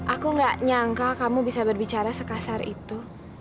aku gak nyangka kamu bisa berbicara sekasar itu